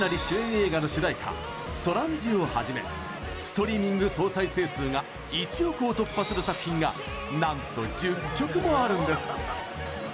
映画の主題歌「Ｓｏｒａｎｊｉ」をはじめストリーミング総再生数が１億を突破する作品がなんと１０曲もあるんです。